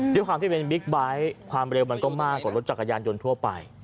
ด้วยความที่เป็นบิ๊กไบท์ความเร็วมันก็มากกว่ารถจักรยานยนต์ทั่วไป